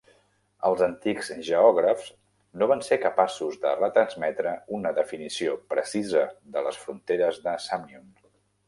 Els antics geògrafs no van ser capaços de retransmetre una definició precisa de les fronteres de Sàmnium.